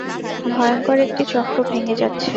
ভয়ংকর একটি চক্র ভেঙে যাচ্ছে।